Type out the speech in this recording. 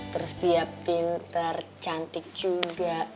terus dia pinter cantik juga